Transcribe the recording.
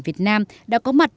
việt nam đã có mặt